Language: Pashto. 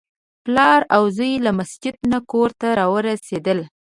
پلار او زوی له مسجد نه کور ته راورسېدل.